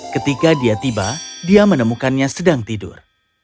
ketika dia tiba dia menemukannya sedang tidur